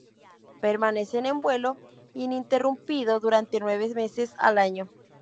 Permanecen en vuelo ininterrumpido durante nueve meses al año.